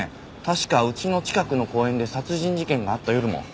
確かうちの近くの公園で殺人事件があった夜も。